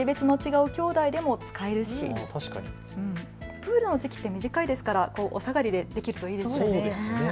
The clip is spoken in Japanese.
プールの時期って短いですからお下がりでできるといいですよね。